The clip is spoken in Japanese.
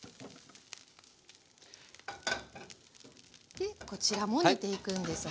でこちらも煮ていくんですね。